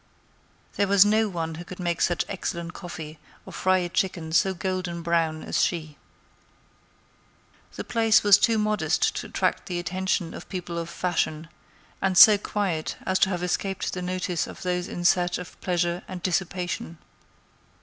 There was no one who could make such excellent coffee or fry a chicken so golden brown as she. The place was too modest to attract the attention of people of fashion, and so quiet as to have escaped the notice of those in search of pleasure and dissipation.